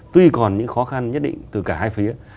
tuy còn những khó khăn nhất định từ cả hai phía